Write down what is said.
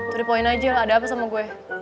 turipain aja lah ada apa sama gue